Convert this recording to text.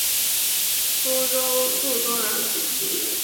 舒州宿松人。